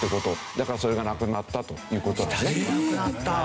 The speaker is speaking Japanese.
だからそれがなくなったという事ですね。